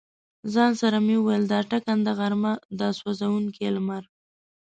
ځان سره مې ویل: دا ټکنده غرمه، دا سوزونکی لمر.